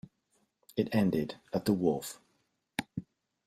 It ended at the wharf.